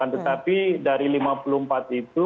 tetapi dari lima puluh empat itu